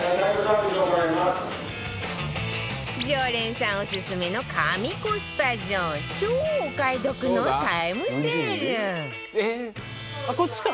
常連さんオススメの神コスパゾーン超お買い得のタイムセールあっこっちか？